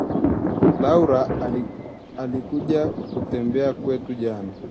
Laura alikuja kutembea kwetu jana